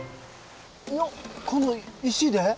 この石で？